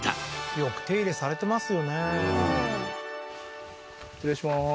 よく手入れされてますよね